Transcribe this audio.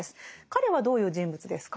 彼はどういう人物ですか？